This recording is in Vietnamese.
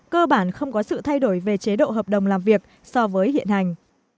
cơ bản không có sự thay đổi về chế độ hợp đồng làm việc so với hiện hành